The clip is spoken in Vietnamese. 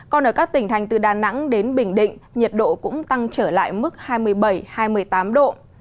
còn ở các tỉnh thành từ đà nẵng đến bình định nhiệt độ cũng tăng trở lại mức hai mươi bảy hai mươi tám độ